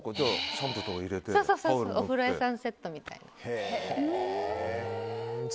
お風呂屋さんセットみたいな。